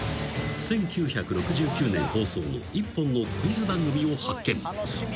［１９６９年放送の一本のクイズ番組を発見］